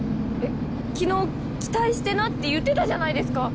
昨日期待してなって言ってたじゃないですか！